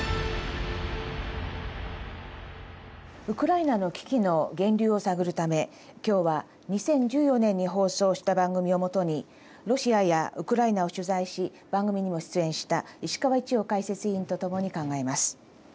ウクライナの危機の源流を探るため今日は２０１４年に放送した番組をもとにロシアやウクライナを取材し番組にも出演した石川一洋解説委員と共に考えます。